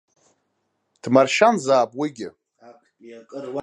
Дмаршьанзаап уигьы.